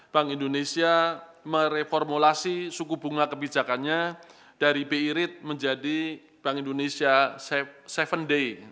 bank indonesia mereformulasi suku bunga kebijakannya dari birit menjadi bank indonesia save seven day